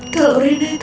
kalau reina itu anak kamu